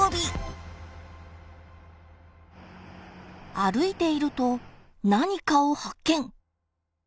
歩いていると何かを発見！